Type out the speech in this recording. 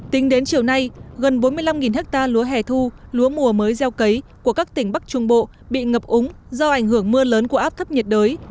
tính đến chiều nay gần bốn mươi năm ha lúa hẻ thu lúa mùa mới gieo cấy của các tỉnh bắc trung bộ bị ngập úng do ảnh hưởng mưa lớn của áp thấp nhiệt đới